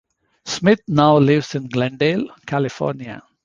Smith now lives in Glendale, California.